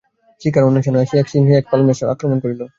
শিকার-অন্বেষণে আসিয়া এক সিংহী একপাল মেষ আক্রমণ করিল।